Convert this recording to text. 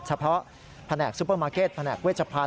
เฉพาะแผนกซุปเปอร์มาร์เก็ตแผนกเวชพันธ